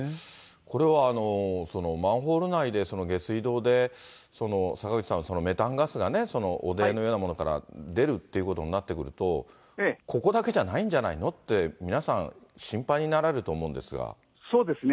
これはマンホール内で下水道で、坂口さん、メタンガスがね、汚泥のようなものから出るということになってくると、ここだけじゃないんじゃないのって、皆さん、そうですね。